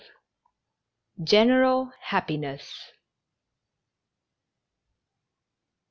GENERAL HAPPINESS.